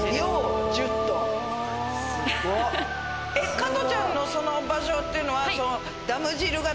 加藤ちゃんのその場所っていうのは。